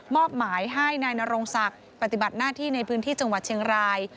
อบหมายให้นายนโรงศักดิ์ปฏิบัติหน้าที่ในพื้นที่จังหวัดเชียงราย